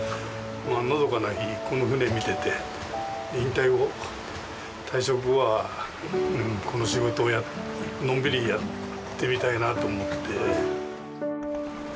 のどかな日この船見てて引退後退職後はこの仕事をのんびりやってみたいなと思って。